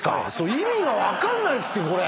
意味が分かんないっすってこれ！